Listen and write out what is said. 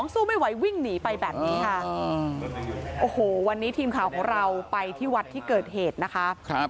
สู้ไม่ไหววิ่งหนีไปแบบนี้ค่ะโอ้โหวันนี้ทีมข่าวของเราไปที่วัดที่เกิดเหตุนะคะ